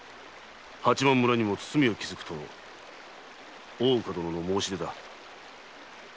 「八幡村にも堤を築く」との大岡殿の申し出だ。